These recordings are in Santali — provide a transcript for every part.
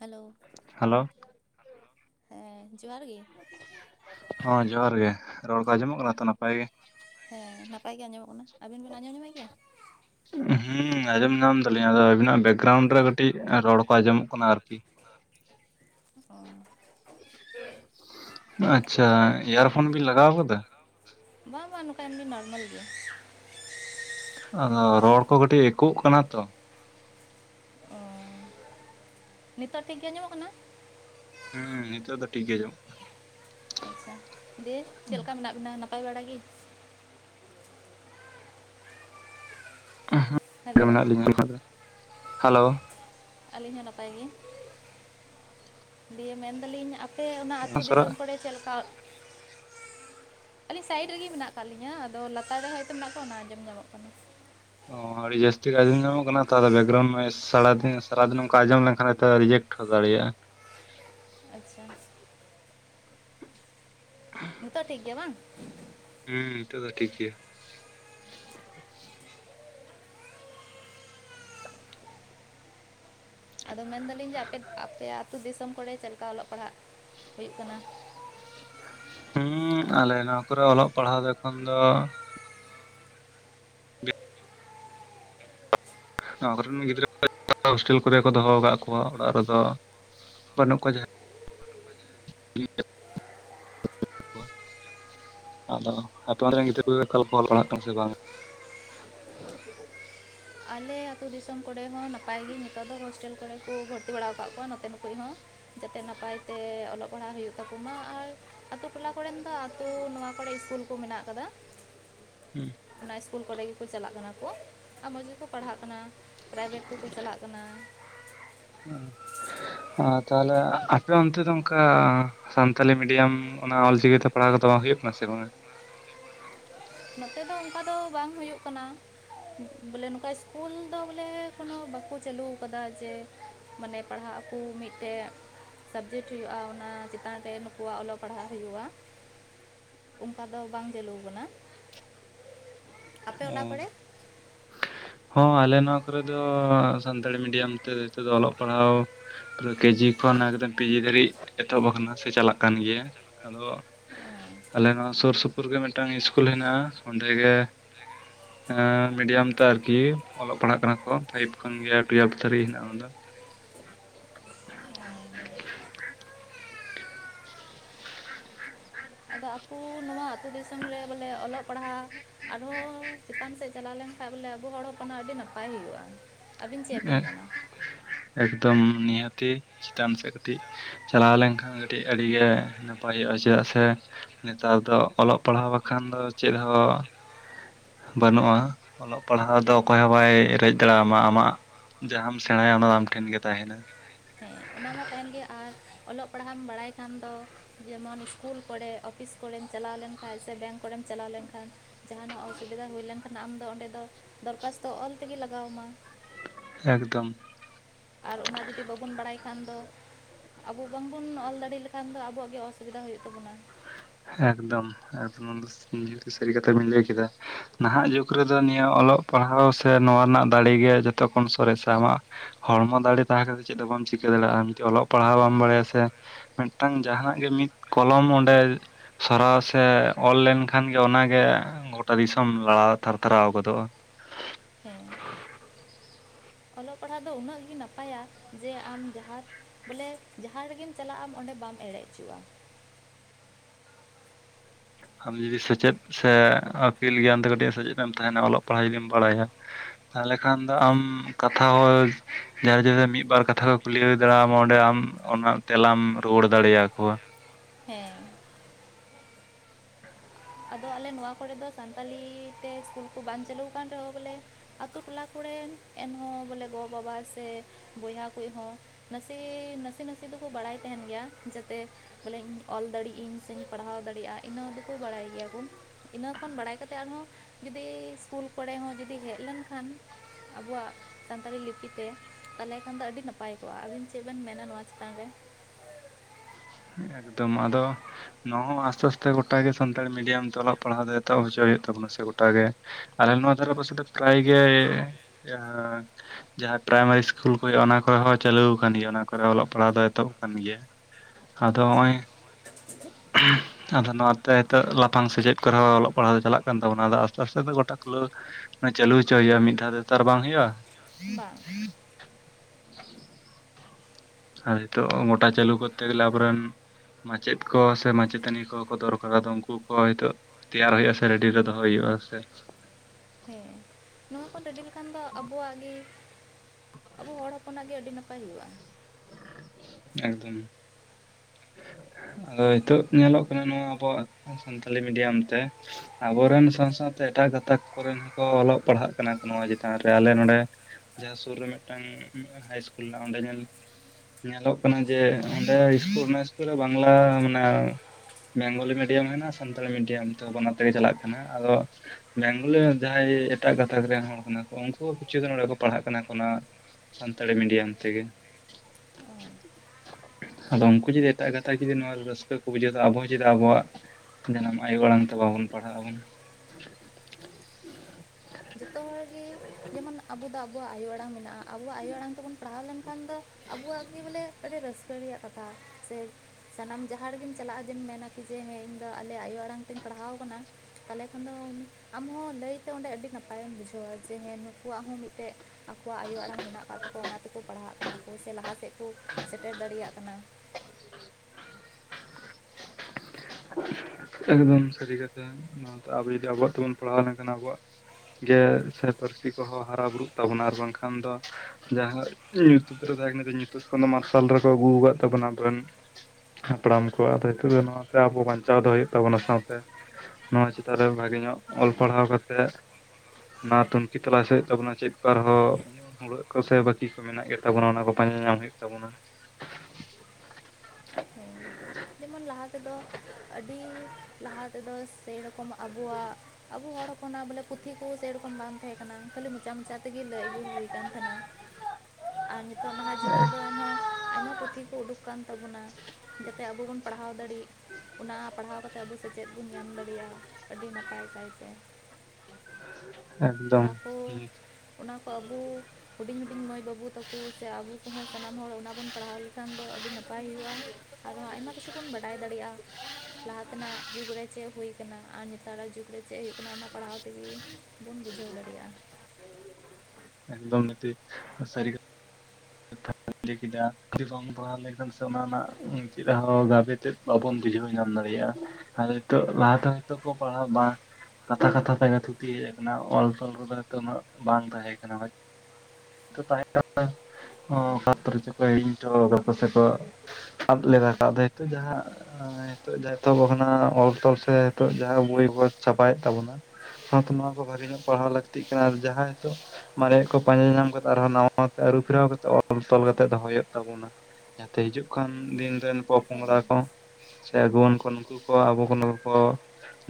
ᱦᱮᱞᱳ ᱾ ᱦᱮᱞᱳ ᱮᱸ, ᱡᱚᱦᱟᱨ ᱜᱮ ᱾ ᱦᱚᱸ‌ ᱡᱚᱦᱟᱨ ᱜᱮ ᱾ ᱨᱚᱲ ᱠᱚ ᱟᱸᱡᱚᱢᱚᱜ ᱠᱟᱱᱟ ᱛᱚ ᱱᱟᱯᱟᱭ ᱜᱮ? ᱦᱮᱸ, ᱱᱟᱯᱟᱭ ᱜᱮ ᱟᱸᱡᱚᱢᱚᱜ ᱠᱟᱱᱟ ᱾ ᱟᱹᱵᱤᱱ ᱵᱤᱱ ᱟᱸᱡᱚᱢ ᱧᱟᱢᱮᱜ ᱜᱮᱭᱟ? [inaudible] ᱦᱩᱸ, ᱟᱸᱡᱚᱢ ᱧᱟᱢ ᱫᱟᱹᱞᱤᱧ ᱾ ᱟᱫᱚ ᱟᱵᱤᱱᱟᱜ ᱵᱮᱠᱜᱨᱟᱣᱩᱱᱰ ᱨᱮ ᱠᱟᱹᱴᱤᱡ ᱨᱚᱲ ᱠᱚ ᱟᱸᱡᱚᱢᱚᱜ ᱠᱟᱱᱟ ᱟᱨᱠᱤ ᱾ ᱚ ᱾ ᱟᱪᱪᱷᱟ, ᱮᱭᱟᱨ ᱯᱷᱳᱱ ᱵᱤᱱ ᱞᱟᱜᱟᱣ ᱟᱠᱟᱫᱟ? ᱵᱟᱝ ᱵᱟᱝ, ᱱᱚᱝᱠᱟ ᱮᱢᱱᱤ ᱱᱚᱨᱢᱟᱞ ᱜᱮᱭᱟ ᱾ ᱟᱫᱚ ᱨᱚᱲ ᱠᱚ ᱠᱟᱹᱴᱤᱡ ᱮᱠᱳᱜ ᱠᱟᱱᱟ ᱛᱚ ᱾ ᱚ [unintelligible] ᱱᱤᱛᱚᱜ ᱴᱷᱤᱠ ᱜᱮ ᱟᱸᱡᱚᱢᱚᱜ ᱠᱟᱱᱟ? ᱦᱮᱸ, ᱱᱤᱛᱚᱜ ᱫᱚ ᱴᱷᱤᱠ ᱜᱮ ᱟᱸᱡᱚᱢᱚᱜ ᱠᱟᱱᱟ ᱾ ᱟᱪᱪᱷᱟ ᱵᱮᱥ ᱪᱮᱫ ᱞᱮᱠᱟ ᱢᱮᱱᱟᱜ ᱵᱤᱱᱟ ᱱᱟᱯᱟᱭ ᱵᱟᱲᱟ ᱜᱤ? ᱦᱮᱞᱳ ᱢᱮᱱᱟᱜ [unintelligible] ᱞᱤᱧᱟ ᱦᱮᱞᱳ ᱟᱞᱤᱧ ᱦᱚᱸ ᱱᱟᱯᱟᱭ ᱜᱤ ᱫᱤᱭᱮ ᱢᱮᱱ ᱫᱟᱞᱤᱧᱼᱼ ᱯᱮ ᱚᱱᱟ ᱟᱛᱩ ᱥᱚᱨᱟᱜ ᱫᱤᱥᱚᱢ ᱠᱚᱨᱮ ᱪᱮᱜ ᱞᱮᱠᱟ? ᱟᱹᱞᱤᱧ ᱥᱟᱭᱤᱰ ᱨᱤᱜᱤ ᱢᱮᱱᱟᱜ ᱠᱟᱜ ᱞᱤᱧᱟᱹ ᱟᱫᱚ ᱞᱟᱛᱟᱨ ᱨᱮ ᱦᱚᱭᱛᱚ ᱢᱮᱱᱟᱜ ᱠᱚᱣᱟ ᱚᱱᱟ ᱟᱸᱡᱚᱢ ᱧᱟᱢᱚᱜ ᱠᱟᱱᱟ᱾ ᱚᱻ ᱟᱹᱰᱤ ᱡᱟᱹᱥᱛᱤ ᱜᱮ ᱟᱸᱡᱚᱢ ᱧᱟᱢᱚᱜ ᱠᱟᱱᱟ ᱛᱚ ᱟᱫᱚ ᱵᱮᱜᱨᱟᱣᱩᱱ ᱥᱟᱲᱟ ᱫᱤᱱᱼᱼ ᱥᱟᱨᱟᱫᱤᱱ ᱚᱝᱠᱟ ᱟᱸᱡᱚᱢ ᱞᱮᱱᱠᱷᱟᱱ ᱦᱚᱭᱛᱚ ᱨᱤᱡᱮᱠᱴ ᱦᱚᱸ ᱫᱟᱲᱮᱭᱟᱜᱼᱟ᱾ ᱟᱪᱪᱷᱟ᱾ [inaudible] ᱱᱤᱛᱚᱜ ᱴᱷᱤᱠ ᱜᱮᱭᱟ ᱵᱟᱝ? ᱦᱩᱸ ᱱᱤᱛᱚᱜ ᱫᱚ ᱴᱷᱤᱠ ᱜᱮᱭᱟ᱾ ᱟᱫᱚ ᱢᱮᱱᱫᱟᱞᱤᱧ ᱡᱮ ᱟᱯᱮ ᱟᱯᱮ ᱟᱛᱩ ᱫᱤᱥᱚᱢ ᱠᱚᱨᱮ ᱪᱮᱫ ᱞᱮᱠᱟ ᱚᱞᱚᱜ ᱯᱟᱲᱦᱟᱜ ᱦᱩᱭᱩᱜ ᱠᱟᱱᱟ? ᱦᱩᱸ ᱟᱞᱮ ᱱᱚᱣᱟ ᱠᱚᱨᱮ ᱚᱞᱚᱜ ᱯᱟᱲᱦᱟᱣ ᱫᱚ ᱮᱠᱷᱚᱱ ᱫᱚ ᱱᱚᱣᱟ ᱠᱚᱨᱮᱱ ᱜᱤᱫᱽᱨᱟᱹ ᱠᱚ ᱦᱳᱥᱴᱮᱞ ᱠᱚᱨᱮ ᱜᱮ ᱠᱚ ᱫᱚᱦᱚ ᱠᱟᱫ ᱠᱚᱣᱟ ᱚᱲᱟᱜ ᱨᱮᱫᱚᱼᱼ ᱵᱟᱹᱱᱩᱜ ᱠᱚᱣᱟ [unintelligible] ᱟᱫᱚ ᱟᱯᱮ ᱚᱸᱰᱮ ᱨᱮᱱ ᱜᱤᱫᱽᱨᱟᱹ ᱠᱚᱜᱮ ᱚᱠᱟᱞᱮᱠᱟ ᱠᱚ ᱚᱞᱚᱜ ᱯᱟᱲᱦᱟᱜ ᱠᱟᱱᱟ ᱥᱮ ᱵᱟᱝ? ᱟᱞᱮ ᱟᱛᱩ ᱫᱤᱥᱚᱢ ᱠᱚᱨᱮ ᱦᱚᱸ ᱱᱟᱯᱟᱭ ᱜᱤ ᱱᱤᱛᱚᱜ ᱫᱚ ᱦᱳᱥᱴᱮᱞ ᱠᱚᱨᱮ ᱠᱩ ᱵᱷᱚᱨᱼᱼ ᱛᱤ ᱵᱟᱲᱟᱣ ᱠᱟᱜ ᱠᱚᱣᱟ ᱱᱚᱛᱮ ᱱᱩᱠᱩᱡ ᱦᱚᱸ ᱡᱟᱛᱮ ᱱᱟᱯᱟᱭ ᱛᱮ ᱚᱞᱚᱜ ᱯᱟᱲᱦᱟᱜ ᱦᱩᱭᱩᱜ ᱛᱟᱠᱩ ᱢᱟ ᱟᱨᱼᱼ ᱟᱛᱩ ᱴᱚᱞᱟ ᱠᱚ ᱨᱮᱱ ᱫᱚ ᱟᱛᱩ ᱱᱚᱣᱟ ᱠᱚᱨᱮᱜ ᱤᱥᱠᱩᱞ ᱠᱩ ᱢᱮᱱᱟᱜ ᱠᱟᱫᱟ᱾ ᱦᱩᱸ᱾ ᱚᱱᱟ ᱤᱥᱠᱩᱞ ᱠᱚᱨᱮ ᱜᱮᱠᱩ ᱪᱟᱞᱟᱜ ᱠᱟᱱᱟ ᱠᱩ ᱟᱨ ᱢᱚᱡᱽ ᱜᱮ ᱼᱼ ᱠᱩ ᱯᱟᱲᱦᱟᱜ ᱠᱟᱱᱟ ᱯᱨᱟᱭᱵᱷᱮᱴ ᱠᱩᱠᱩ ᱪᱟᱞᱟᱜ ᱠᱟᱱᱟ᱾ ᱦᱮᱸ [inaudible] ᱛᱟᱦᱞᱮ ᱟᱯᱮ ᱚᱱᱛᱮ ᱫᱚ ᱚᱱᱠᱟ ᱥᱟᱱᱛᱟᱞᱤ ᱢᱤᱰᱤᱭᱟᱢ ᱚᱱᱟ ᱚᱞᱼᱼ ᱪᱤᱠᱤ ᱛᱮ ᱯᱟᱲᱦᱟᱣ ᱠᱚᱫᱚ ᱦᱩᱭᱩᱜ ᱠᱟᱱᱟ ᱥᱮ ᱵᱟᱝᱟ? ᱱᱚᱛᱮ ᱫᱚ ᱚᱝᱠᱟ ᱫᱚ ᱵᱟᱝ ᱦᱩᱭᱩᱜ ᱠᱟᱱᱟ᱾ ᱵᱚᱞᱮ ᱱᱚᱸᱠᱟ ᱥᱠᱩᱞ ᱫᱚ ᱵᱚᱞᱮ ᱠᱚᱱᱚ ᱵᱟᱠᱩ ᱪᱟᱞᱩ ᱠᱟᱫᱟ ᱡᱮᱼᱼ ᱢᱟᱱᱮ ᱯᱟᱲᱦᱟᱜ ᱟᱠᱩ ᱢᱤᱫᱴᱮᱜ᱾ ᱥᱟᱵᱡᱮᱴ ᱦᱩᱭᱩᱜᱼᱟ, ᱚᱱᱟ ᱪᱮᱛᱟᱱ ᱨᱮ ᱱᱩᱠᱩᱣᱟᱜ ᱚᱞᱚᱜ ᱯᱟᱲᱦᱟᱜ ᱦᱩᱭᱩᱜᱼᱟ᱾ ᱚᱝᱠᱟ ᱫᱚ ᱵᱟᱝ ᱪᱟᱞᱩ ᱠᱟᱱᱟ᱾ ᱚ ᱠᱚᱨᱮ ᱦᱚᱸ ᱟᱞᱮ ᱱᱚᱣᱟ ᱠᱚᱨᱮ ᱫᱚ ᱥᱟᱱᱛᱟᱲᱤ ᱢᱤᱰᱤᱭᱟᱢᱼᱼ ᱱᱚᱛᱮ ᱫᱚ ᱱᱤᱛᱚᱜ ᱫᱚ ᱚᱞᱚᱜ ᱯᱟᱲᱦᱟᱣ ᱯᱩᱨᱟᱹ ᱠᱮᱡᱤ ᱠᱷᱚᱱ ᱮᱠᱫᱚᱢ ᱯᱤᱡᱤ ᱫᱷᱟᱹᱨᱤᱡ᱾ ᱮᱛᱚᱦᱚᱵ ᱟᱠᱟᱱᱟ ᱥᱮ ᱪᱟᱞᱟᱜ ᱠᱟᱱ ᱜᱮᱭᱟ ᱟᱫᱚ ᱟᱞᱮ ᱱᱚᱣᱟ ᱥᱳᱨ ᱥᱩᱯᱼᱼ ᱯᱩᱨ ᱜᱮ ᱢᱤᱫᱴᱟᱝ ᱤᱥᱠᱩᱞ ᱦᱮᱱᱟᱜᱼᱟ, ᱚᱸᱰᱮ ᱜᱮᱼᱼ ᱦᱮᱸ ᱢᱤᱰᱤᱭᱟᱢ ᱛᱮ ᱟᱨᱠᱤ ᱚᱞᱚᱜ ᱯᱟᱲᱦᱟᱜ ᱠᱟᱱᱟ ᱠᱚ ᱯᱷᱟᱭᱤᱵ ᱠᱷᱚᱱ ᱜᱮ ᱴᱩᱭᱮᱞᱵ ᱫᱷᱟᱨᱤᱡ ᱦᱮᱱᱟᱜᱼᱟ ᱚᱱᱟᱫᱚ᱾ ᱟᱫᱚ ᱟᱠᱩ ᱱᱚᱣᱟ ᱟᱛᱩ ᱫᱤᱥᱚᱢ ᱨᱮ ᱵᱚᱞᱮ ᱚᱞᱚᱜ ᱯᱟᱲᱦᱟᱼᱼ ᱟᱨᱦᱚᱸ ᱪᱮᱛᱟᱱ ᱥᱮᱜ ᱪᱟᱞᱟᱣ ᱞᱮᱱᱠᱷᱟᱡ ᱵᱚᱞᱮ ᱟᱵᱩ ᱦᱚᱲ ᱦᱚᱯᱚᱱᱟᱜ ᱟᱰᱤ ᱱᱟᱯᱟᱭ ᱦᱩᱭᱩᱜᱼᱟ᱾ ᱟᱹᱵᱤᱱ ᱪᱮᱫ ᱵᱤᱱ ᱢᱮᱱᱟ ᱮᱠᱫᱚᱢ ᱱᱤᱦᱟᱹᱛᱤ ᱪᱮᱛᱟᱱ ᱥᱮᱜ ᱠᱟᱹᱴᱤᱡ᱾ ᱪᱟᱞᱟᱣ ᱞᱮᱱᱠᱷᱟᱱ ᱠᱟᱹᱴᱤᱡ ᱟᱰᱤ ᱜᱮ ᱱᱟᱯᱟᱭᱚᱜᱼᱟ, ᱪᱮᱫᱟᱜ ᱥᱮᱼᱼ ᱱᱮᱛᱟᱨ ᱫᱚ ᱚᱞᱚᱜ ᱯᱟᱲᱦᱟᱣ ᱵᱟᱠᱷᱟᱱ ᱫᱚ ᱪᱮᱫ ᱦᱚᱸ ᱵᱟᱱᱩᱜᱼᱟ᱾ ᱚᱞᱚᱜ ᱯᱟᱲᱦᱟᱣ ᱫᱚ ᱵᱟᱝ ᱚᱠᱚᱭ ᱦᱚᱸ ᱵᱟᱭ ᱨᱮᱡ ᱫᱟᱲᱟᱣᱢᱟ, ᱟᱢᱟᱜᱼᱼ ᱡᱟᱸᱦᱟᱢ ᱥᱮᱬᱟᱭᱟ ᱚᱱᱟ ᱫᱚ ᱟᱢ ᱴᱷᱮᱱ ᱜᱮ ᱛᱟᱦᱮᱱᱟ᱾ ᱦᱮᱸ ᱚᱱᱟ ᱢᱟ ᱛᱟᱦᱮᱱ ᱜᱮ ᱟᱨ ᱚᱞᱚᱜ ᱯᱟᱲᱦᱟᱢ ᱵᱟᱲᱟᱭ ᱠᱷᱟᱱ ᱫᱚᱼᱼ ᱡᱮᱢᱚᱱ ᱤᱥᱠᱩᱞ ᱠᱚᱨᱮᱜ ᱚᱯᱷᱤᱥ ᱠᱚᱨᱮᱢ ᱪᱟᱞᱟᱣ ᱞᱮᱱᱠᱷᱟᱡ ᱥᱮ ᱵᱮᱝᱠ ᱠᱚᱨᱮᱢ ᱪᱟᱞᱟᱣ ᱞᱮᱱᱠᱷᱟᱱ ᱡᱟᱦᱟᱱᱟᱜ ᱚᱥᱩᱵᱤᱫᱟ ᱦᱩᱭ ᱞᱮᱱᱠᱷᱟᱱ ᱟᱢ ᱫᱚ ᱚᱸᱰᱮ ᱫᱚ ᱫᱚᱨᱠᱟᱥᱛᱚ ᱚᱞ ᱛᱤᱜᱤ ᱞᱟᱜᱟᱣ ᱢᱟ ᱾ ᱮᱠᱫᱚᱢ ᱾ ᱟᱨ ᱚᱱᱟ ᱡᱩᱫᱤ ᱵᱟᱵᱩᱱ ᱵᱟᱲᱟᱭ ᱠᱷᱟᱱ ᱫᱚ, ᱟᱵᱩ ᱵᱟᱝᱵᱩᱱ ᱚᱞ ᱫᱟᱲᱤ ᱞᱮᱠᱷᱟᱱ ᱫᱚ ᱟᱵᱚᱣᱟᱜ ᱜᱮ ᱚᱥᱩᱵᱤᱫᱟ ᱦᱩᱭᱩᱜ ᱛᱟᱵᱩᱱᱟ ᱾ ᱮᱠᱫᱚᱢ ᱮᱠᱫᱚᱢ ᱱᱚᱣᱟ ᱫᱚ [unintelligible] ᱥᱟᱹᱨᱤ ᱠᱟᱛᱷᱟ ᱵᱤᱱ ᱞᱟᱹᱭ ᱠᱮᱫᱟ ᱾ ᱱᱟᱦᱟᱜ ᱡᱩᱜᱽ ᱨᱮᱫᱚ ᱱᱤᱭᱟᱹ ᱚᱞᱚᱜ ᱯᱟᱲᱦᱟᱣ ᱥᱮ ᱱᱚᱣᱟ ᱨᱮᱱᱟᱜ ᱫᱟᱲᱮ ᱜᱮ ᱡᱚᱛᱚ ᱠᱷᱚᱱ ᱥᱚᱨᱮᱥᱟ ᱾ ᱟᱢᱟᱜ ᱦᱚᱲᱢᱚ ᱫᱟᱲᱮ ᱛᱟᱦᱮᱸ ᱠᱟᱛᱮᱫ ᱪᱮᱫ ᱫᱚ ᱵᱟᱢ ᱪᱤᱠᱟᱹ ᱫᱟᱲᱮᱜᱼᱟ‌᱾ ᱚᱞᱚᱜ ᱯᱟᱲᱦᱟᱣ ᱵᱟᱝ ᱵᱟᱢ ᱵᱟᱲᱟᱭᱟ ᱥᱮ ᱢᱤᱫᱴᱟᱝ ᱡᱟᱦᱱᱟᱜ ᱜᱮ ᱢᱤᱫ ᱠᱚᱞᱚᱢ ᱚᱸᱰᱮ‌ ᱥᱚᱨᱟᱣ ᱥᱮ ᱚᱞ ᱞᱮᱱᱠᱷᱟᱱ ᱜᱮ ᱚᱱᱟ ᱜᱮ ᱜᱚᱴᱟ ᱫᱤᱥᱚᱢ ᱞᱟᱲᱟᱣ ᱛᱷᱟᱨ ᱛᱷᱟᱨᱟᱣ ᱜᱚᱫᱚᱜᱼᱟ ᱾ ᱦᱮᱸ ᱾ ᱚᱞᱚᱜ ᱯᱟᱲᱦᱟᱜ ᱫᱚ ᱩᱱᱟᱹᱜ ᱜᱮ ᱱᱟᱯᱟᱭᱟ ᱡᱮ ᱟᱢ ᱡᱟᱦᱟᱸ ᱵᱚᱞᱮ ᱡᱟᱦᱟᱸ ᱨᱮᱜᱮᱢ ᱪᱟᱞᱟᱜ ᱟᱢ ᱚᱸᱰᱮ ᱵᱟᱢ ᱮᱲᱮ ᱚᱪᱚᱜᱼᱟ ᱾ ᱟᱢ ᱡᱩᱫᱤ ᱥᱮᱪᱮᱫ ᱥᱮ ᱟᱹᱠᱤᱞ ᱜᱮᱭᱟᱱ ᱛᱮ ᱠᱟᱹᱴᱤᱡ ᱥᱮᱪᱮᱫ ᱮᱢ ᱛᱟᱦᱮᱱᱟ ᱚᱞᱚᱜ ᱯᱟᱲᱦᱟᱜ ᱡᱩᱫᱤᱢ ᱵᱟᱲᱟᱭᱟ ᱛᱟᱦᱞᱮ ᱠᱷᱟᱱ ᱫᱚ ᱟᱢ ᱠᱟᱛᱷᱟ ᱦᱚᱸ ᱡᱟᱨ [unintelligible] ᱢᱤᱫᱵᱟᱨ ᱠᱟᱛᱷᱟ ᱠᱩᱠᱞᱤ ᱦᱩᱭ ᱫᱟᱲᱮᱜ ᱟᱢ ᱚᱸᱰᱮ ᱟᱢ ᱚᱱᱟ ᱛᱮᱞᱟᱢ ᱨᱩᱣᱟᱹᱲ ᱫᱟᱲᱮᱭᱟᱠᱚᱣᱟ ᱾ ᱦᱮᱸ ᱾ ᱟᱫᱚ ᱟᱞᱮ ᱱᱚᱣᱟ ᱠᱚᱨᱮ ᱫᱚ ᱥᱟᱱᱛᱟᱞᱤ ᱛᱮ ᱤᱥᱠᱩᱞ ᱠᱚ ᱵᱟᱝ ᱪᱟᱹᱞᱩᱣᱟᱠᱟᱱ ᱨᱮᱦᱚᱸ ᱵᱚᱞᱮ-ᱼ ᱟᱛᱳ ᱴᱚᱞᱟ ᱠᱚᱨᱮ ᱮᱱᱦᱚᱸ ᱵᱚᱞᱮ ᱜᱚ ᱵᱟᱵᱟ ᱥᱮ ᱵᱚᱭᱦᱟ ᱠᱩᱡ ᱦᱚᱸ ᱱᱟᱥᱮ, ᱱᱟᱥᱮ ᱱᱟᱥᱮ ᱫᱚᱠᱚ ᱵᱟᱲᱟᱭ ᱛᱟᱦᱮᱱ ᱜᱮᱭᱟ ᱡᱟᱛᱮ ᱵᱚᱞᱮᱧ ᱚᱞ ᱫᱟᱲᱤᱜ ᱤᱧ ᱥᱮᱧ ᱯᱟᱲᱦᱟᱣ ᱫᱟᱲᱮᱜᱼᱟ ᱤᱱᱟᱹ ᱫᱚᱠᱚ ᱵᱟᱲᱟᱭ ᱜᱮᱭᱟᱵᱚᱱ ᱤᱱᱟᱹ ᱠᱷᱚᱱ ᱵᱟᱲᱟᱭ ᱠᱟᱛᱮᱫ ᱟᱨᱦᱚᱸ ᱡᱩᱫᱤ ᱤᱥᱠᱩᱞ ᱠᱚᱨᱮ ᱦᱚᱸ ᱡᱩᱫᱤ ᱦᱮᱡ ᱞᱮᱱᱠᱷᱟᱱ ᱟᱵᱚᱣᱟᱜ ᱥᱟᱱᱛᱟᱲᱤ ᱞᱤᱯᱤ ᱛᱮ ᱾ ᱛᱟᱦᱚᱞᱮ ᱠᱷᱟᱱ ᱫᱚ ᱟᱹᱰᱤ ᱱᱟᱯᱟᱭ ᱠᱚᱜᱼᱟ, ‌ᱟᱹᱵᱤᱱ ᱪᱮᱫ ᱵᱮᱱ ᱢᱮᱱᱟ ᱱᱚᱣᱟ ᱪᱮᱛᱟᱱ ᱨᱮ? ᱮᱠᱫᱚᱢ ᱟᱫᱚ ᱱᱚᱣᱟ ᱦᱚᱸ ᱟᱥᱛᱮ ᱟᱥᱛᱮ ᱜᱚᱴᱟ ᱜᱮ ᱥᱟᱱᱛᱟᱲᱤ ᱢᱤᱰᱤᱭᱟᱢ ᱛᱮ ᱚᱞᱚᱜ ᱯᱟᱲᱦᱟᱣ ᱫᱚ ᱮᱛᱚᱦᱚᱵ ᱦᱚᱪᱚ ᱦᱩᱭᱩᱜ ᱛᱟᱵᱚᱱᱟ ᱥᱮ ᱜᱚᱴᱟᱜ ᱜᱮ ᱾ ᱟᱞᱮ ᱱᱚᱣᱟ ᱫᱷᱟᱨᱮ ᱯᱟᱥᱮ ᱫᱚ ᱯᱚᱨᱟᱭ ᱜᱮ ᱡᱟᱦᱟ ᱡᱟᱦᱟᱸ ᱯᱨᱟᱭᱢᱟᱨᱤ ᱤᱥᱠᱩᱞ ᱠᱚ ᱦᱩᱭᱩᱜ-ᱟ ᱚᱱᱟ ᱠᱚᱨᱮ ᱦᱚᱸ ᱪᱟᱹᱞᱩ ᱟᱠᱟᱱ ᱜᱮᱭᱟ ᱚᱱᱟ ᱠᱚᱨᱮ ᱚᱞᱚᱜ ᱯᱟᱲᱦᱟᱜ ᱫᱚ ᱮᱛᱚᱦᱚᱵ ᱟᱠᱟᱱ ᱜᱮᱭᱟ ᱾ ᱟᱫᱚ ᱟᱪᱪᱷᱟ ᱦᱚᱜᱼᱚᱭ [inaudible] ᱟᱫᱚ ᱱᱚᱣᱟᱛᱮ ᱦᱤᱛᱚᱜ ᱞᱟᱯᱷᱟᱝ ᱥᱮᱪᱮᱫ ᱠᱚᱨᱮ ᱦᱚᱸ ᱚᱞᱚᱜ ᱯᱟᱲᱦᱟᱜ ᱫᱚ ᱪᱟᱞᱟᱜ ᱠᱟᱱ ᱛᱟᱵᱚᱱᱟ ᱟᱫᱚ ᱟᱥᱛᱮ ᱟᱥᱛᱮ ᱫᱚ ᱜᱚᱴᱟ ᱠᱷᱩᱞᱟᱹᱣ ᱪᱟᱹᱞᱩ ᱦᱚᱪᱚᱭ ᱦᱩᱭᱩᱜᱼᱟ ᱢᱤᱫ ᱫᱷᱟᱣ ᱛᱮ ᱛᱚ ᱟᱨ ᱵᱟᱝ ᱦᱩᱭᱩᱜᱼᱟ ᱾ ᱵᱟᱝ ᱾ ᱟᱨ ᱦᱤᱛᱚᱜ ᱜᱚᱴᱟ ᱪᱟᱹᱞᱩ ᱠᱚᱨᱛᱮ ᱜᱮᱞᱮ ᱟᱵᱚᱨᱮᱱ ᱢᱟᱪᱮᱫ ᱠᱚ ᱥᱮ ᱢᱟᱪᱮᱛᱟᱹᱱᱤ ᱠᱚ ᱠᱚ ᱫᱚᱨᱠᱟᱨᱟ ᱫᱚ ᱩᱱᱠᱩ ᱠᱚ ᱦᱤᱛᱚᱜ ᱛᱮᱭᱟᱨ ᱦᱩᱭᱩᱜᱼᱟ ᱥᱮ ᱨᱮᱰᱤ ᱨᱮ ᱫᱚᱦᱚᱭ ᱦᱩᱭᱩᱜᱼᱟ ᱥᱮ ᱾ ᱦᱮᱸ, ᱱᱚᱣᱟ ᱠᱚ ᱨᱮᱰᱤ ᱞᱮᱠᱷᱟᱱ ᱫᱚ ᱟᱵᱚᱣᱟᱜ ᱜᱮ ᱟᱵᱚ ᱦᱚᱲ ᱦᱚᱯᱚᱱᱟᱜ ᱜᱮ ᱟᱹᱰᱤ ᱱᱟᱯᱟᱭ ᱦᱩᱭᱩᱜᱼᱟ ᱾ ᱮᱠᱫᱚᱢ ᱾ ᱟᱫᱚ ᱦᱤᱛᱳᱜ ᱧᱮᱞᱚᱜ ᱠᱟᱱᱟ ᱱᱚᱣᱟ ᱟᱵᱚᱣᱟᱜ ᱥᱟᱱᱛᱟᱞᱤ ᱢᱤᱰᱤᱭᱟᱢ ᱛᱮ ᱟᱵᱚᱨᱮᱱ ᱥᱟᱶ ᱥᱟᱶᱛᱮ ᱮᱴᱟᱜ ᱜᱟᱛᱟᱠ ᱠᱚᱨᱮᱱ ᱦᱚᱸᱠᱚ ᱚᱞᱚᱜ ᱯᱟᱲᱦᱟᱜ ᱠᱟᱱᱟ ᱱᱚᱣᱟ ᱪᱮᱛᱟᱱ ᱨᱮ ᱟᱞᱮ ᱱᱚᱰᱮ ᱡᱟᱦᱟᱸ ᱥᱩᱨ ᱨᱮ ᱢᱤᱫᱴᱟᱝ ᱦᱟᱭ ᱤᱥᱠᱩᱞ ᱢᱮᱱᱟᱜ ᱚᱸᱰᱮ ᱧᱮᱞ ᱧᱮᱞᱚᱜ ᱠᱟᱱᱟ ᱡᱮ ᱚᱸᱰᱮ ᱤᱥᱠᱩᱞ [unintelligible] ᱨᱮ ᱵᱟᱝᱞᱟ ᱢᱟᱱᱮ ᱵᱮᱝᱜᱚᱞᱤ ᱢᱤᱰᱤᱭᱟᱢ ᱦᱮᱱᱟᱜᱼᱟ ᱥᱟᱱᱛᱟᱲᱤ ᱢᱤᱰᱤᱭᱟᱢ ᱛᱚᱦᱚᱸ ᱵᱟᱱᱟᱨ ᱛᱮᱜᱮ ᱪᱟᱞᱟᱜ ᱠᱟᱱᱟ ᱟᱫᱚ ᱵᱮᱝᱜᱚᱞᱤ ᱨᱮᱱ ᱡᱟᱦᱟᱸᱭ ᱮᱴᱟᱜ ᱜᱟᱛᱟᱠ ᱨᱮᱱ ᱦᱚᱲ ᱠᱟᱱᱟ ᱠᱚ ᱩᱱᱠᱩ ᱦᱚᱸ ᱠᱤᱪᱷᱩ ᱫᱚ ᱱᱚᱸᱰᱮ ᱠᱚ ᱯᱟᱲᱦᱟᱜ ᱠᱟᱱᱟ ᱾ ᱚᱱᱟ ᱥᱟᱱᱛᱟᱲᱤ ᱢᱤᱰᱤᱭᱟᱢ ᱛᱮᱜᱮ ᱾ [inaudible] ᱟᱫᱚ ᱩᱱᱠᱩ ᱡᱩᱫᱤ ᱮᱴᱟᱜ ᱜᱟᱛᱟᱠ ᱡᱩᱫᱤ ᱱᱚᱣᱟ ᱨᱟᱹᱥᱠᱟᱹ ᱠᱚ ᱵᱩᱡᱷᱟᱹᱣ ᱫᱟ, ᱟᱵᱚ ᱦᱚᱸ ᱪᱮᱫᱟᱜ ᱟᱵᱚᱣᱟᱜ ᱡᱟᱱᱟᱢ ᱟᱭᱳ ᱟᱲᱟᱝ ᱛᱮ ᱵᱟᱵᱚᱱ ᱯᱟᱲᱦᱟᱜ ᱟᱵᱚᱱ? ᱡᱚᱛᱚ ᱦᱚᱲ ᱜᱮ, ᱡᱮᱢᱚᱱ ᱟᱵᱚ ᱫᱚ ᱟᱵᱚᱣᱟᱜ ᱟᱭᱳ ᱟᱲᱟᱝ ᱢᱮᱱᱟᱜᱼᱟ ᱾ ᱟᱵᱚᱣᱟᱜ ᱟᱭᱳ ᱟᱲᱟᱝ ᱛᱮᱵᱚᱱ ᱯᱟᱲᱦᱟᱣ ᱞᱮᱱᱠᱷᱟᱱ ᱫᱚ, ᱟᱵᱚᱣᱟᱜ ᱜᱮ ᱵᱚᱞᱮ ᱟᱹᱰᱤ ᱨᱟᱹᱥᱠᱟᱹ ᱨᱮᱭᱟᱜ ᱠᱟᱛᱷᱟ᱾ ᱾ ᱥᱮ ᱥᱟᱱᱟᱢ ᱡᱟᱦᱟᱸ ᱨᱮᱜᱮᱢ ᱪᱟᱞᱟᱜ ᱟ ᱡᱮᱢ ᱢᱮᱱᱟ᱾ ᱡᱮ ᱦᱮᱸ ᱤᱧ ᱫᱚ ᱟᱞᱮ ᱟᱭᱳ ᱟᱲᱟᱝ ᱛᱮᱧ ᱯᱟᱲᱦᱟᱣ ᱟᱠᱟᱱᱟ ᱾ ᱛᱟᱦᱚᱞᱮ ᱠᱷᱟᱱ ᱫᱚ ᱟᱢᱦᱚᱸ ᱞᱟᱹᱭᱛᱮ ᱚᱸᱰᱮ ᱟᱹᱰᱤ ᱱᱟᱯᱟᱭᱮᱢ ᱵᱩᱡᱷᱟᱹᱣᱟ᱾ ᱡᱮᱸ ᱱᱩᱠᱩᱣᱟᱜ ᱦᱚᱸ ᱢᱤᱫᱴᱮᱡ᱾ ᱟᱠᱚᱣᱟᱜ ᱟᱭᱳ ᱟᱲᱟᱝ ᱢᱮᱱᱟᱜ ᱟᱠᱟᱫ ᱛᱟᱠᱚᱣᱟ ᱚᱱᱟ ᱛᱮᱠᱚ ᱯᱟᱲᱦᱟᱜ ᱠᱟᱱᱟ ᱠᱚ, ᱥᱮ ᱞᱟᱦᱟ ᱥᱮᱫ ᱠᱚ ᱥᱮᱴᱮᱨ ᱫᱟᱲᱮᱭᱟᱜ ᱠᱟᱱᱟ ᱾ ᱮᱠᱫᱚᱢ ᱥᱟᱹᱨᱤ ᱠᱟᱛᱷᱟ, ᱱᱚᱣᱟᱛᱮ ᱟᱵᱚ ᱡᱫᱤ ᱟᱵᱚᱣᱟᱜ ᱛᱮᱵᱚᱱ ᱯᱟᱲᱦᱟᱣ ᱞᱮᱱᱠᱷᱟᱱ ᱟᱵᱚᱣᱟᱜ᱾ ᱜᱮ ᱥᱮ ᱯᱟᱹᱨᱥᱤ ᱠᱚᱦᱚᱸ ᱦᱟᱨᱟ ᱵᱩᱨᱩᱜ ᱛᱟᱵᱚᱱᱟ ᱾ ᱟᱨ ᱵᱟᱝᱠᱷᱟᱱ ᱫᱚ᱾ ᱡᱟᱦᱟᱸ ᱧᱩᱛ ᱨᱮ ᱛᱟᱦᱮᱸ ᱠᱟᱱᱟ ᱛᱚ ᱧᱩᱛᱩᱛ ᱠᱷᱚᱱ ᱫᱚ ᱢᱟᱨᱥᱟᱞ ᱨᱮᱠᱚ ᱟᱹᱜᱩ ᱟᱠᱟᱫ ᱛᱟᱵᱚᱱᱟ ᱟ ᱨᱮᱱ ᱦᱟᱯᱲᱟᱢ ᱠᱚᱣᱟᱜ ᱟᱫᱚ ᱱᱤᱛᱚᱜ ᱫᱚ ᱱᱚᱣᱟᱛᱮ ᱟᱵᱚ ᱵᱟᱧᱪᱟᱣ ᱫᱚᱦᱚ ᱦᱩᱭᱩᱜ ᱛᱟᱵᱚᱱᱟ ᱥᱟᱶᱛᱮ᱾ ᱱᱚᱣᱟ ᱪᱮᱛᱟᱱ ᱨᱮ ᱵᱷᱟᱜᱮ ᱧᱚᱜ ᱚᱞ ᱦᱮᱸ ᱯᱟᱲᱦᱟᱣ ᱠᱟᱛᱮᱫ᱾ ᱚᱱᱟ ᱛᱩᱱᱠᱷᱤ ᱛᱟᱞᱟᱥ ᱦᱩᱭᱩᱜ ᱛᱟᱵᱚᱱᱟ ᱪᱮᱫ ᱠᱚ ᱟᱨᱦᱚᱸ᱾ ᱦᱩᱲᱟᱹᱜ ᱠᱚᱥᱮ ᱵᱟᱹᱠᱤ ᱠᱚ ᱢᱮᱱᱟᱜ ᱜᱮ ᱛᱟᱵᱚᱱᱟ᱾ ᱚᱱᱟ ᱠᱚ ᱯᱟᱸᱡᱟ ᱧᱟᱢ ᱦᱩᱭᱩᱜ ᱛᱟᱵᱚᱱᱟ᱾ [inaudible] ᱦᱮᱸ ᱡᱮᱢᱚᱱ ᱞᱟᱦᱟ ᱛᱮᱫᱚ ᱟᱹᱰᱤ ᱞᱟᱦᱟ ᱛᱮᱫᱚ᱾ ᱥᱮᱨᱚᱠᱚᱢ ᱟᱵᱚᱣᱟᱼᱜ ᱟᱵᱚ ᱦᱚᱲ ᱦᱚᱯᱚᱱᱟᱜ ᱵᱚᱞᱮ ᱯᱩᱛᱷᱤ ᱠᱚ, ᱥᱮᱨᱚᱠᱚᱢ ᱵᱟᱝ ᱛᱟᱦᱮᱸ ᱠᱟᱱᱟ᱾ ᱠᱷᱟᱹᱞᱤ ᱢᱚᱪᱟ ᱢᱚᱪᱟ ᱛᱮᱜᱮ ᱞᱟᱹᱭ ᱟᱹᱜᱩ ᱦᱩᱭ ᱠᱟᱱ ᱛᱟᱦᱮᱱᱟ᱾ ᱟᱨ ᱱᱤᱛᱚᱜ ᱱᱟᱦᱟᱜ ᱡᱩᱜᱽ ᱨᱮᱫᱚ, ᱮᱱᱦᱚᱸ ᱟᱭᱢᱟ ᱯᱩᱛᱷᱤ ᱠᱚ ᱩᱰᱩᱠ ᱟᱠᱟᱱ ᱛᱟᱵᱚᱱᱟ᱾ [inaudible] ᱛᱮ ᱟᱵᱚ ᱵᱚᱱ ᱯᱟᱲᱦᱟᱣ ᱫᱟᱲᱮᱜ ᱚᱱᱟ ᱯᱟᱲᱦᱟᱣ ᱠᱟᱛᱮᱫ ᱟᱵᱚ ᱥᱮᱪᱮᱫ ᱵᱚᱱ ᱧᱟᱢ ᱫᱟᱲᱮᱭᱟᱜᱼᱟ᱾ ᱟᱹᱰᱤ ᱱᱟᱯᱟᱭ ᱠᱟᱭᱛᱮ᱾ ᱮᱠᱫᱚᱢ ᱚᱱᱟ ᱠᱚ ᱚᱱᱟ ᱠᱚ ᱟᱵᱚ ᱦᱩᱰᱤᱧ ᱦᱩᱰᱤᱧ ᱢᱟᱹᱭ ᱵᱟᱹᱵᱩ ᱛᱟᱠᱚ ᱥᱮ ᱟᱵᱚ᱾ ᱠᱚᱦᱚᱸ ᱥᱟᱱᱟᱢ ᱦᱚᱲ ᱚᱱᱟ ᱵᱚᱱ ᱯᱟᱲᱦᱟᱣ ᱞᱮᱠᱷᱟᱱ ᱫᱚ᱾ ᱟᱹᱰᱤ ᱱᱟᱯᱟᱭ ᱦᱩᱭᱩᱜᱼᱟ᱾ ᱟᱨᱦᱚ ᱟᱭᱢᱟ ᱠᱤᱪᱷᱩ ᱵᱚᱱ ᱵᱟᱰᱟᱭ ᱫᱟᱲᱮᱭᱟᱜᱼᱟ᱾ ᱞᱟᱦᱟ ᱛᱮᱱᱟᱜ ᱡᱩᱜᱽ ᱨᱮ ᱪᱮᱫ ᱦᱩᱭ ᱟᱱᱟᱱᱟ᱾ ᱟᱨ ᱱᱮᱛᱟᱨᱟᱜ ᱡᱩᱜᱽ ᱨᱮ ᱪᱮᱫ ᱦᱩᱭᱩᱜ ᱠᱟᱱᱟ ᱚᱱᱟ ᱯᱟᱲᱦᱟᱣ ᱛᱮᱜᱮ ᱵᱚᱱ ᱵᱩᱡᱷᱟᱹᱣ ᱫᱟᱲᱮᱭᱟᱜᱼᱟ᱾ ᱮᱠᱫᱚᱢ [unintelligible] ᱥᱟᱨᱤ ᱠᱮᱫᱟ [unintelligible] ᱯᱟᱲᱦᱟᱣ ᱞᱮᱱᱠᱷᱟᱱ ᱥᱮ ᱚᱱᱟ ᱨᱮᱱᱟᱜ ᱪᱮᱫᱦᱚᱸ ᱜᱟᱵᱮ ᱛᱮᱫ᱾ ᱵᱟᱵᱚᱱ ᱵᱩᱡᱷᱟᱹᱣ ᱧᱟᱢ ᱫᱟᱲᱮᱭᱟᱜᱼᱟ᱾ ᱟᱨ ᱱᱤᱛᱚᱜ ᱞᱟᱦᱟᱛᱮ ᱱᱤᱛᱚᱜ ᱠᱚ ᱯᱟᱲᱦᱟᱜ ᱢᱟ ᱠᱟᱛᱷᱟ ᱠᱟᱛᱷᱟ ᱛᱮᱜᱮ ᱛᱷᱩᱛᱤ ᱦᱮᱡ ᱟᱠᱟᱱᱟ ᱚᱞ ᱛᱚᱞ ᱨᱮᱫᱚᱭᱛᱳ ᱩᱱᱟᱹᱜ ᱵᱟᱝ ᱛᱟᱦᱮᱸ ᱠᱟᱱᱟ᱾ [unintelligible] ᱟᱫᱚ ᱦᱮᱸ ᱞᱮᱫᱟ ᱠᱚ ᱟᱫᱚ ᱱᱤᱛᱚᱜ ᱡᱟᱦᱟ ᱱᱤᱛᱚᱜ ᱡᱟᱦᱟ ᱮᱛᱚᱦᱚᱵᱚᱼᱠᱟᱱᱟ ᱚᱞ ᱛᱚᱞ ᱥᱮ ᱱᱤᱛᱚᱜ ᱡᱟᱦᱟᱸ ᱵᱳᱭ ᱠᱳ ᱪᱷᱟᱯᱟᱭᱮᱫ ᱛᱟᱵᱚᱱᱟ᱾ ᱥᱟᱶᱛᱚ ᱱᱚᱣᱟ ᱠᱚ ᱵᱷᱟᱜᱤ ᱧᱚᱜ ᱯᱟᱲᱦᱟᱣ ᱞᱟᱹᱠᱛᱤᱜ ᱠᱟᱱᱟ ᱟᱨ ᱡᱟᱦᱟᱸ ᱱᱤᱛᱚᱜ ᱢᱟᱨᱮ ᱠᱚ ᱯᱟᱸᱡᱟ ᱧᱟᱢ ᱠᱟᱛᱮ ᱟᱨᱦᱚᱸ ᱱᱟᱣᱟᱛᱮ ᱟᱹᱨᱩ ᱯᱷᱮᱨᱟᱣ ᱠᱟᱛᱮ ᱚᱞ ᱛᱚᱞ ᱠᱟᱛᱮ ᱫᱚᱦᱚᱭ ᱦᱩᱭᱩᱜ ᱛᱟᱵᱚᱱᱟ᱾ ᱡᱟᱛᱮ ᱦᱤᱡᱩᱜ ᱠᱟᱱ ᱫᱤᱱ ᱨᱮᱱ ᱯᱚᱼᱯᱚᱝᱲᱟ ᱦᱮᱸ ᱠᱚ᱾ ᱥᱮ ᱟᱹᱜᱩᱣᱟᱹᱱ ᱠᱚ ᱱᱩᱠᱩ ᱠᱚ ᱟᱵᱚ ᱠᱚ᱾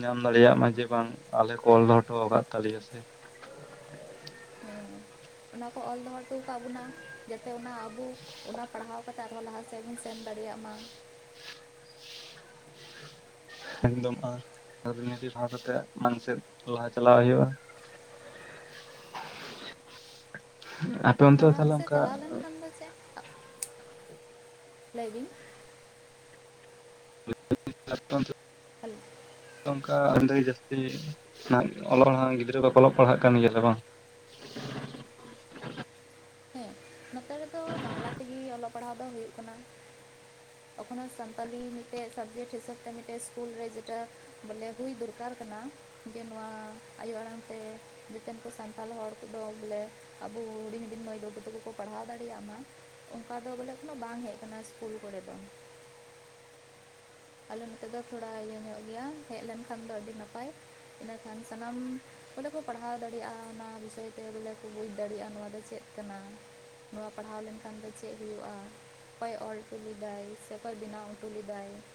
ᱧᱟᱢ ᱫᱟᱲᱮᱭᱟᱜ ᱢᱟ ᱡᱮ ᱵᱟᱝ ᱟᱞᱮ ᱠᱚ ᱚᱞ ᱫᱚᱦᱚ ᱦᱚᱴᱚ ᱟᱠᱟᱫ ᱛᱟᱞᱮᱭᱟ ᱥᱮ ᱦᱮᱸ ᱚᱱᱟ ᱠᱚ ᱚᱞ ᱫᱚᱦᱚ ᱦᱚᱴᱚ ᱟᱠᱟᱫ ᱵᱚᱱᱟ᱾ ᱡᱟᱛᱮ ᱚᱱᱟ ᱟᱵᱚ ᱚᱱᱟ ᱯᱟᱲᱦᱟᱣ ᱠᱟᱛᱮ ᱟᱨᱦᱚᱸ ᱞᱟᱦᱟ ᱥᱮᱫ ᱵᱚᱱ ᱥᱮᱱ ᱫᱟᱲᱮᱭᱟᱜ ᱢᱟ᱾ ᱮᱠᱫᱚᱢᱚᱜᱼᱟ ᱟᱹᱱᱟᱹᱨᱤ ᱢᱟᱱᱟᱣ ᱠᱟᱛᱮ ᱢᱟᱲᱟᱝ ᱥᱮᱫ ᱞᱟᱦᱟ ᱪᱟᱞᱟᱣ ᱦᱩᱭᱩᱜᱼᱟ᱾ [inaudible] [unintelligible] ᱢᱟᱲᱟᱝ ᱥᱮᱫ ᱚᱱᱠᱟ ᱪᱟᱞᱟᱣ ᱞᱮᱱᱠᱷᱟᱱ ᱫᱚ ᱪᱮᱫ [unintelligible] ᱞᱟᱹᱭ ᱵᱤᱱ᱾ [unintelligible] ᱦᱮᱞᱳ [unintelligible] ᱱᱚᱝᱠᱟ ᱟᱰᱤ ᱡᱟᱹᱥᱛᱤ [unintelligible] ᱚᱞᱚ ᱦᱟᱸᱜ ᱜᱤᱫᱽᱨᱟᱹ ᱵᱟᱠᱚ ᱚᱞᱚᱜ ᱯᱟᱲᱦᱟᱜ ᱠᱟᱱ ᱜᱮᱭᱟ ᱥᱮ ᱵᱟᱝ? ᱦᱮᱸ ᱱᱚᱛᱮ ᱨᱮᱫᱚ ᱵᱟᱝᱞᱟ ᱛᱮᱜᱮ ᱚᱞᱚᱜ ᱯᱟᱲᱦᱟᱣ ᱫᱚ ᱦᱳᱜ ᱠᱟᱱᱟ᱾ ᱮᱠᱷᱚᱱᱳ ᱥᱟᱱᱛᱟᱞᱤ ᱢᱤᱫᱴᱮᱡ ᱥᱟᱵᱡᱮᱠᱴ ᱦᱤᱥᱟᱹᱵ ᱛᱮ ᱢᱤᱫᱮᱡ ᱥᱠᱩᱞ ᱨᱮ ᱡᱮᱴᱟ᱾ ᱵᱚᱞᱮ ᱦᱩᱭ ᱫᱚᱨᱠᱟᱨ ᱠᱟᱱᱟ ᱡᱮ ᱱᱚᱣᱟ ᱟᱭᱳ ᱟᱲᱟᱝᱛᱮ᱾ ᱱᱮᱛᱮᱱ ᱠᱚ ᱥᱟᱱᱛᱟᱲ ᱦᱚᱲ ᱠᱚᱫᱚ ᱵᱚᱞᱮ, ᱟᱵᱚ ᱦᱩᱰᱤᱧ ᱦᱩᱰᱤᱧ ᱢᱟᱹᱭ ᱵᱟᱹᱵᱩ ᱛᱟᱠᱚᱼᱼ ᱯᱟᱲᱦᱟᱣ ᱫᱟᱲᱮᱭᱟᱜ ᱢᱟ, ᱚᱱᱠᱟ ᱫᱚ ᱵᱚᱞᱮ ᱮᱠᱳᱱᱳ ᱵᱟᱝ ᱦᱮᱡ ᱟᱠᱟᱱᱟ ᱥᱠᱩᱞ ᱠᱚᱨᱮ ᱫᱚ᱾ ᱟᱞᱮ ᱱᱚᱛᱮ ᱫᱚ ᱛᱷᱚᱲᱟ ᱤᱭᱟᱹ ᱧᱚᱜ ᱜᱮᱭᱟ ᱦᱮᱡ ᱞᱮᱱᱠᱷᱟᱱ ᱫᱚ ᱟᱹᱰᱤ ᱱᱟᱯᱟᱭ ᱾ ᱤᱱᱟᱹᱠᱷᱟᱱ ᱥᱟᱱᱟᱢᱼᱼ ᱵᱚᱞᱮ ᱠᱚ ᱯᱟᱲᱦᱟᱣ ᱫᱟᱲᱮᱭᱟᱜᱼᱟ ᱚᱱᱟ ᱵᱤᱥᱚᱭ ᱛᱮ ᱵᱚᱞᱮ ᱠᱚ ᱵᱩᱡᱽ ᱫᱟᱲᱮᱭᱟᱜᱼᱟ ᱱᱚᱣᱟ ᱫᱚ ᱪᱮᱫ ᱠᱟᱱᱟ᱾ ᱱᱚᱣᱟ ᱯᱟᱲᱦᱟᱣ ᱞᱮᱱᱠᱷᱟᱱ ᱫᱚ ᱪᱮᱫ ᱦᱩᱭᱩᱜᱼᱟ ᱾ ᱚᱠᱚᱭ ᱚᱞ ᱚᱴᱚ ᱞᱮᱫᱟᱭ ᱥᱮ ᱚᱠᱚᱭ ᱵᱮᱱᱟᱣ ᱚᱴᱚ ᱞᱮᱫᱟᱭ ᱾